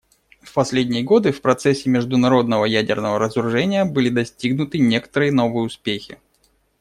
В последние годы в процессе международного ядерного разоружения были достигнуты некоторые новые успехи.